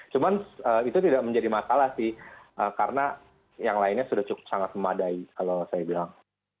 cuma itu tidak menjadi masalah sih karena yang lainnya sudah cukup sangat memadai kalau saya bilang